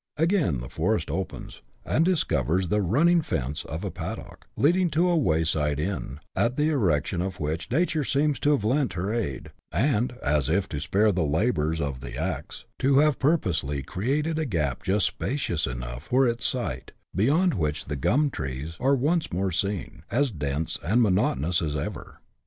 Again the forest opens, and discovers the '* running fence " of a paddock, leading to a wayside inn, at the erection of which Nature seems to have lent her aid ; and, as if to spare the labours of the axe, to have purposely created a gap just spacious enough for its site, beyond which the gum trees are once more seen, as dense and monotonous as ever.